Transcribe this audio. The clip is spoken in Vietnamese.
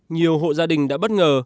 nhiều hộ gia đình đã bất ngờ